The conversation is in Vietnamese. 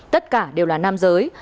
tất cả đều là nam giới